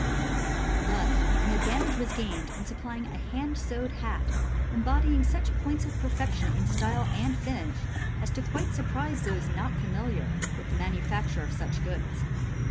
Thus an advantage was gained in supplying a hand sewed hat, embodying such points of perfection in style and finish as to quite surprise those not familiar with the manufacture of such goods.